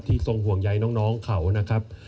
ทรงห่วงใยน้องเขานะครับ